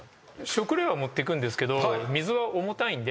食料は持っていくんですけど。